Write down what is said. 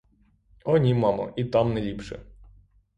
О, ні, мамо, і там не ліпше.